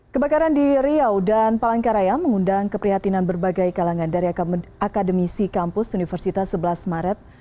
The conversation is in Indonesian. kebakaran di riau dan palangkaraya mengundang keprihatinan berbagai kalangan dari akademisi kampus universitas sebelas maret